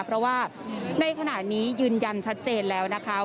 เพราะว่าในขณะนี้ยืนยันชัดเจนแล้วนะคะ